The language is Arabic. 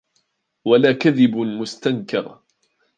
وَلَا كَذِبٌ مُسْتَنْكَرٌ